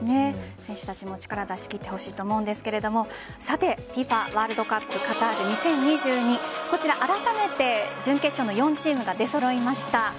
選手たちも力を出し切ってほしいと思うんですがＦＩＦＡワールドカップカタール２０２２あらためて準決勝の４チームが出揃いました。